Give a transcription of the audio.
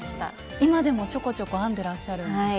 今でもちょこちょこ編んでらっしゃるんですか？